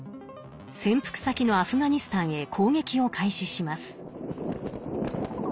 潜伏先のアフガニスタンへ攻撃を開始します。